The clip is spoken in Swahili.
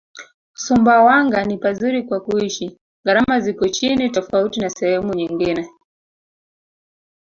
Sumbawanga ni pazuri kwa kuishi gharama ziko chini tofauti na sehemu nyngine